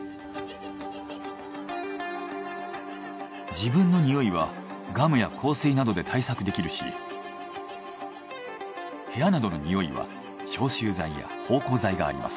自分のにおいはガムや香水などで対策できるし部屋などのにおいは消臭剤や芳香剤があります。